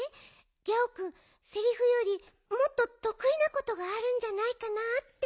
ギャオくんセリフよりもっととくいなことがあるんじゃないかなって。